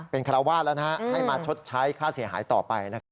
เป็นคาราวาสแล้วนะฮะให้มาชดใช้ค่าเสียหายต่อไปนะครับ